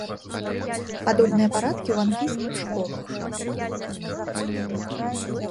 Падобныя парадкі ў англійскіх школах.